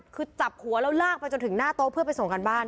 คือจับหัวแล้วลากไปจนถึงหน้าโต๊ะเพื่อไปส่งการบ้าน